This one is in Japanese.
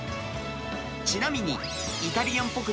ちなみに、イタリアンっぽく